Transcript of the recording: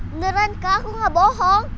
beneran aku gak bohong